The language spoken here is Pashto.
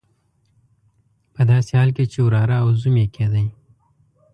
په داسې حال کې چې وراره او زوم یې کېدی.